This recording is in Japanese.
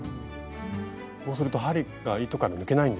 こうすると針が糸から抜けないんですね。